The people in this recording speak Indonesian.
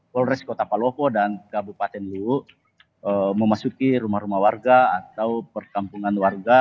polres kota palopo dan kabupaten luwuk memasuki rumah rumah warga atau perkampungan warga